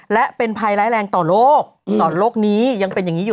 และเป็นภัยร้ายแรงต่อโลกต่อโลกนี้ยังเป็นอย่างนี้อยู่